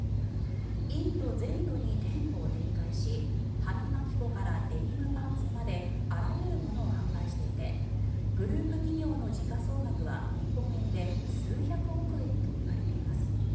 インド全土に店舗を展開し歯磨き粉からデニムパンツまであらゆるものを販売していてグループ企業の時価総額は日本円で数百億円といわれています。